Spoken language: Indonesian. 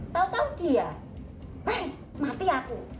tau tau dia mati aku